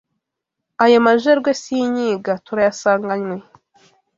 Ayo majerwe sinyiga, Turayasanganywe